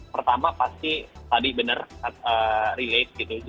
pertama pasti tadi benar relate gitu